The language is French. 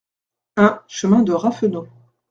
un chemin de Raffenot